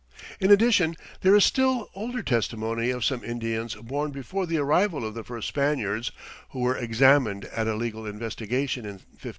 In addition there is the still older testimony of some Indians born before the arrival of the first Spaniards, who were examined at a legal investigation in 1570.